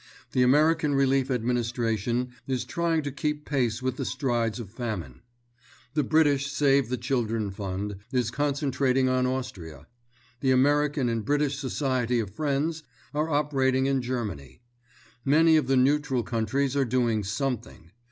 The American Relief Administration is trying to keep pace with the strides of famine. The British Save the Children Fund, is concentrating on Austria. The American and British Society of Friends are operating in Germany. Many of the neutral countries are doing something.